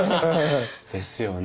ですよね。